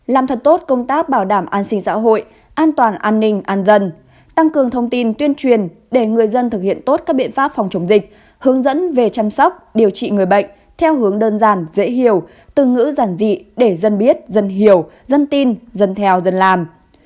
làm thật tốt công tác bảo đảm an sinh xã hội an toàn an ninh an dân tăng cường thông tin tuyên truyền để người dân thực hiện tốt các biện pháp phòng chống dịch hướng dẫn về chăm sóc điều trị người bệnh theo hướng đơn giản dễ hiểu từ ngữ giản dị để dân biết dân hiểu dân tin dân theo dân làm